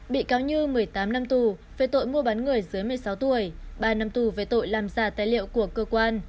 bị cáo như một mươi tám năm tù về tội mua bán người dưới một mươi sáu tuổi ba năm tù về tội làm giả tài liệu của cơ quan